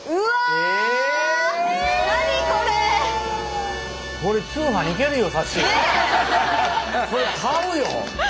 これ買うよ！